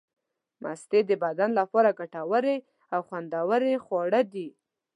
مستې د بدن لپاره ګټورې او خوندورې خواړه دي.